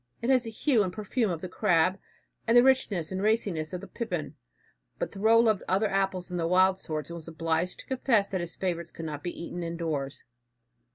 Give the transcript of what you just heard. It has the hue and perfume of the crab, and the richness and raciness of the pippin. But Thoreau loved other apples than the wild sorts and was obliged to confess that his favorites could not be eaten in doors.